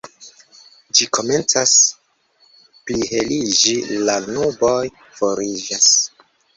Ĝi komencas pliheliĝi, la nuboj foriĝas.